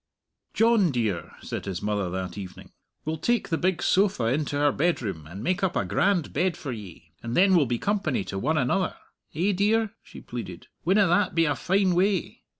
"John dear," said his mother that evening, "we'll take the big sofa into our bedroom, and make up a grand bed for ye, and then we'll be company to one another. Eh, dear?" she pleaded. "Winna that be a fine way?